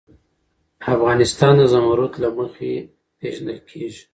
افغانستان د زمرد له مخې پېژندل کېږي.